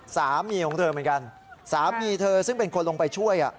สามีของเธอเหมือนกันสามีเธอซึ่งเป็นคนลงไปช่วย